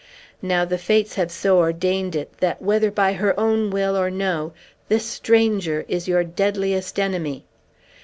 Now, the fates have so ordained it, that, whether by her own will or no, this stranger is your deadliest enemy.